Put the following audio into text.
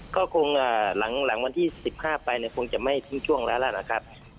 ก็คงหลังวันที่๑๕ไปคงจะไม่ทิ้งช่วงแล้วแล้วนะครับ